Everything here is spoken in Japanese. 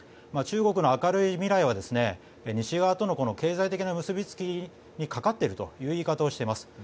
中国の明るい未来は西側との経済的な結びつきにかかっているという言い方をしています。